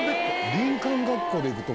林間学校で行くとこ。